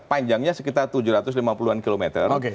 panjangnya sekitar tujuh ratus lima puluh an kilometer